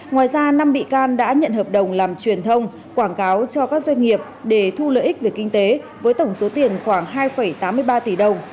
ngoài ra năm bị can đã nhận hợp đồng làm truyền thông quảng cáo cho các doanh nghiệp để thu lợi ích về kinh tế với tổng số tiền khoảng hai tám mươi ba tỷ đồng